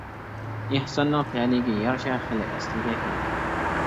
ئېھساننىڭ تەلىيىگە يارىشا خېلى ئەسلىگە كەلدى.